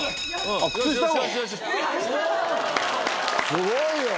すごいよ！